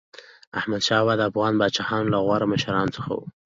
احمدشاه بابا د افغان پاچاهانو له غوره مشرانو څخه و.